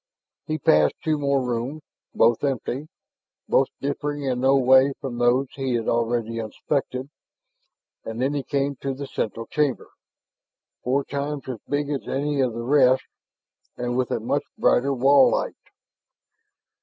He passed two more rooms, both empty, both differing in no way from those he had already inspected; and then he came to the central chamber, four times as big as any of the rest and with a much brighter wall light.